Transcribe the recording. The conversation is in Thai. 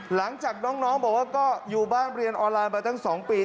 หลังจากน้องบอกว่าก็อยู่บ้านเรียนออนไลน์มาตั้ง๒ปี